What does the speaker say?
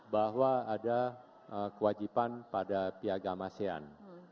bahwa ada kewajiban pada piagam asean